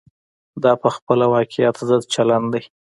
دا په خپله واقعیت ضد چلن دی.